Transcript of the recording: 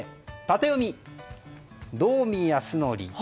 タテヨミ、道見やすのり。